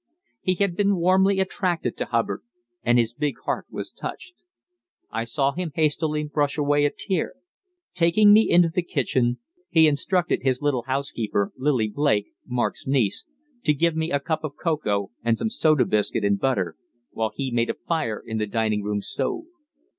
He had been warmly attracted to Hubbard, and his big heart was touched. I saw him hastily brush away a tear. Taking me into the kitchen, he instructed his little housekeeper, Lillie Blake, Mark's niece, to give me a cup of cocoa and some soda biscuit and butter, while he made a fire in the dining room stove.